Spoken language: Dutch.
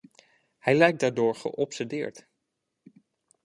Hij lijkt daardoor geobsedeerd.